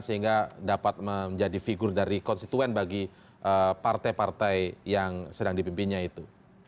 sehingga dapat menjadi figur dari konstituen bagi partai partai yang sedang dipimpinnya itu